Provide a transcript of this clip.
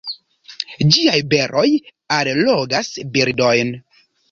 Ĝiaj beroj allogas birdojn.